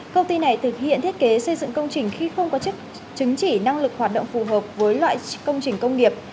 công ty này thực hiện thiết kế xây dựng công trình khi không có chức chứng chỉ năng lực hoạt động phù hợp với loại công trình công nghiệp